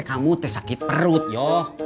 saya mau pedes banget yoh